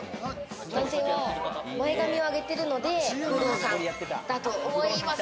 男性は前髪を上げてるので不動産だと思います。